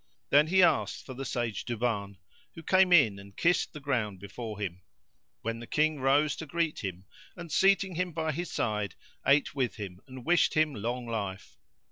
Then he asked for the Sage Duban, who came in and kissed the ground before him, when the King rose to greet him and, seating him by his side, ate with him and wished him long life.